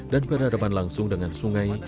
dan beradaban langsung dengan sungai